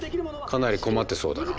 かなり困ってそうだな。